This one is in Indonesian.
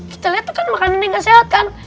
kita lihat kan makanan yang gak sehat kan